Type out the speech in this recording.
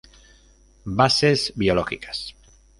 Bases biológicas.